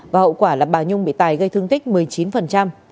và hậu quả là bà nhung bị tài gây thương tích một mươi chín